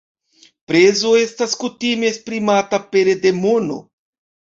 Prezo estas kutime esprimata pere de mono.